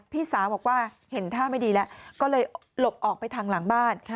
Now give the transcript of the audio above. พี่สาวบอกว่าเห็นท่าไม่ดีแล้วก็เลยหลบออกไปทางหลังบ้าน